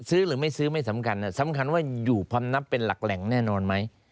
ซื้อหรือไม่ซื้อไม่สำคัญสำคัญว่าอยู่พำนับเป็นหลักแหล่งแน่นอนไหม